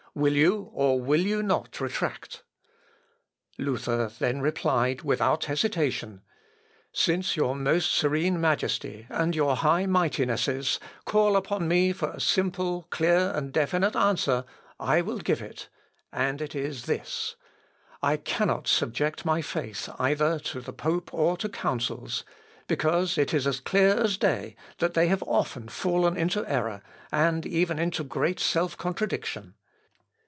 Will you, or will you not retract?" Luther then replied, without hesitation, "Since your most serene Majesty, and your high Mightinesses, call upon me for a simple, clear, and definite answer, I will give it; and it is this: I cannot subject my faith either to the pope or to councils, because it is clear as day that they have often fallen into error, and even into great self contradiction.